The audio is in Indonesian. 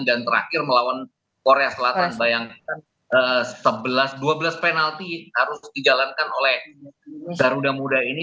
dan terakhir melawan korea selatan bayangkan dua belas penalti harus dijalankan oleh garuda muda ini